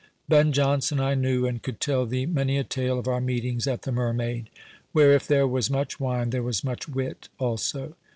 Ben Jonson I knew, and could tell thee many a tale of our meetings at the Mermaid, where, if there was much wine, there was much wit also.